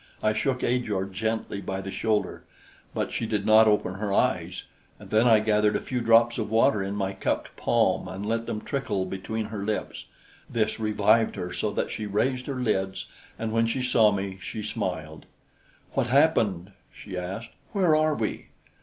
I shook Ajor gently by the shoulder; but she did not open her eyes, and then I gathered a few drops of water in my cupped palm and let them trickle between her lips. This revived her so that she raised her lids, and when she saw me, she smiled. "What happened?" she asked. "Where are we?"